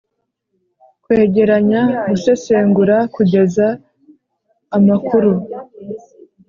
Kwegeranya gusesengura kugeza amakuru